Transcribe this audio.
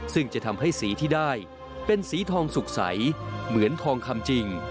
ซึ่งจะทำให้สีที่ได้เป็นสีทองสุขใสเหมือนทองคำจริง